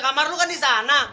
kamar lu kan di sana